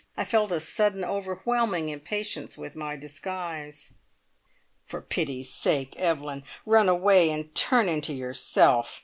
I felt a sudden, overwhelming impatience with my disguise. "For pity's sake, Evelyn, run away and turn into yourself!"